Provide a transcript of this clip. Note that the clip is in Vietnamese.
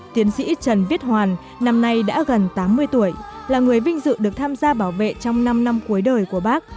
tiến sĩ trần viết hoàn năm nay đã gần tám mươi tuổi là người vinh dự được tham gia bảo vệ trong năm năm cuối đời của bác